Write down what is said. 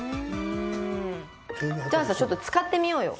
じゃあさちょっと使ってみようよ。